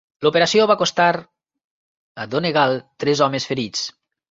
L'operació va costar a "Donegal" tres homes ferits.